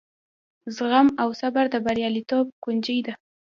زغم او صبر د بریالیتوب کونجۍ ده.